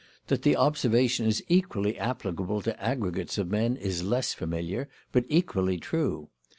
That the observation is equally applicable to aggregates of men is less familiar, but equally true.